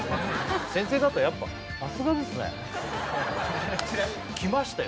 先生方やっぱさすがですねきましたよ